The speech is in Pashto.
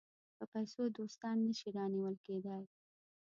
په پیسو دوستان نه شي رانیول کېدای.